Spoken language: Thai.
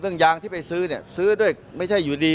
ยางที่ไปซื้อเนี่ยซื้อด้วยไม่ใช่อยู่ดี